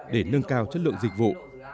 để nâng cao chất lượng dịch vụ